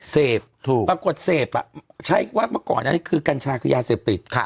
เสพถูกปรากฏเสพใช้ว่าเมื่อก่อนอันนี้คือกัญชาคือยาเสพติด